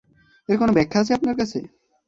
এর কোনো ব্যাখ্যা আছে আপনার কাছে?